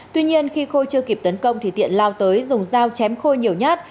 tuy nhiên khi khôi chưa kịp tấn công thì tiện lao tới dùng dao chém khôi nhiều nhát